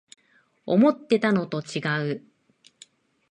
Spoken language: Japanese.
思ってたのとちがう